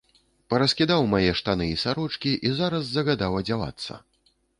Параскідаў мае штаны і сарочкі і зараз загадаў адзявацца.